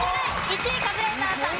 １位カズレーザーさん